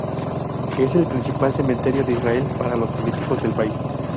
Es el principal cementerio de Israel para los políticos del país.